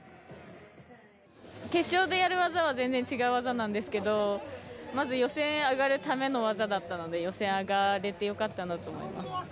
決勝でやる技と全然、違う技なんですけどまず予選上がるための技だったので予選上がれてよかったなと思います。